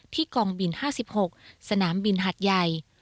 กองบิน๕๖สนามบินหัดใหญ่